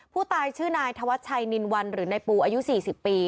ผู้ตายชื่อนายธวัชชัยนินวันหรือนายปูอายุ๔๐ปี